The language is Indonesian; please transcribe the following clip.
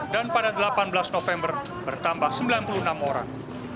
dan pada delapan belas november bertambah sembilan puluh enam orang